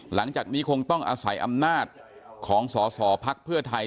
หลังจากนี้คงต้องอาศัยอำนาจของสสพไทย